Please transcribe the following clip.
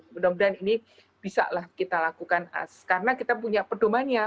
mudah mudahan ini bisa lah kita lakukan karena kita punya pedomannya